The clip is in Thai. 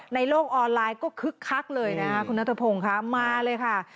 ในโลกออนไลน์ก็คึกคักเลยนะคุณนัทพงศ์ค่ะมาเลยค่ะ